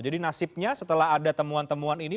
jadi nasibnya setelah ada temuan temuan ini